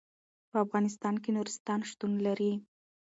په افغانستان کې نورستان شتون لري.